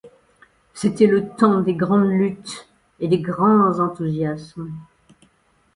C’était le temps des grandes luttes, et des grands enthousiasmes.